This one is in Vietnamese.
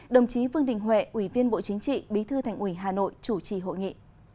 đồng chí vương đình huệ ủy viên bộ chính trị bí thư thành ủy hà nội chủ trì hội nghị